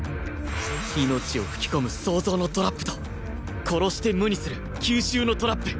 命を吹き込む「創造」のトラップと殺して無にする「吸収」のトラップ